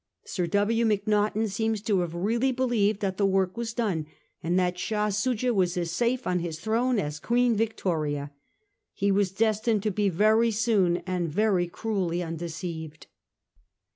Sir W. Macnaghten seems to have really believed that the work was done, and that Shah Soojah was as safe on his throne as Queen Victoria. He was destined to be very soon and very cruelly undeceived.